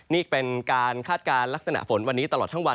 นี่เป็นการคาดการณ์ลักษณะฝนวันนี้ตลอดทั้งวัน